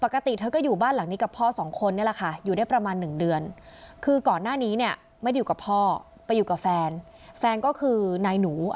ก็อยู่บ้านหลังนี้กับพ่อสองคนนี่แหละค่ะ